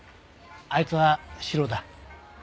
あいつはシロだ。